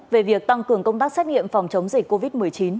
về việc tăng cường công tác xét nghiệm phòng chống dịch covid một mươi chín